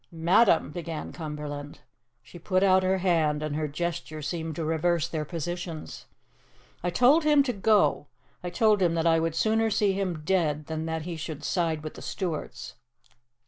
"Madam " began Cumberland. She put out her hand, and her gesture seemed to reverse their positions. "I told him to go I told him that I would sooner see him dead than that he should side with the Stuarts!